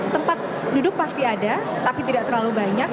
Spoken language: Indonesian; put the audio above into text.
tempat duduk pasti ada tapi tidak terlalu banyak